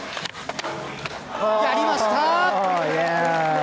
やりました！